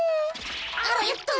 あらよっと！